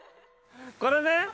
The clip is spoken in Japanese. これね。